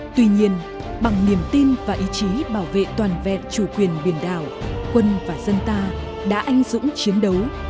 tuy nhiên bằng niềm tin và ý chí bảo vệ toàn vẹn chủ quyền biển đảo quân và dân ta đã anh dũng chiến đấu